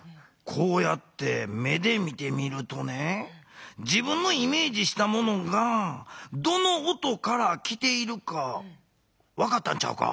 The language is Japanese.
こうやって目で見てみるとね自分のイメージしたものがどの音から来ているかわかったんちゃうか？